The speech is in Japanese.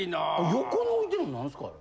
横に置いてるの何ですかあれ？